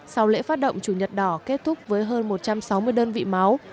sau lễ phát động chủ nhật đỏ kết thúc với hơn một trăm sáu mươi đơn vị máu